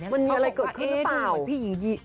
มันมีอะไรเกิดขึ้นหรือเปล่า